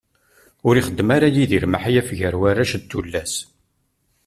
Ur ixeddem ara Yidir maḥyaf gar warrac d tullas.